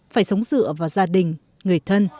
phải sống dựa vào gia đình người thân